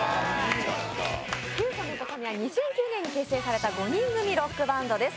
キュウソネコカミは２００９年に結成された５人組ロックバンドです